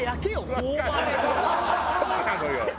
そうなのよ！